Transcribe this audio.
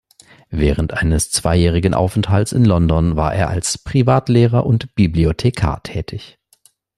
Während eines zweijährigen Aufenthalts in London war er als Privatlehrer und Bibliothekar tätig.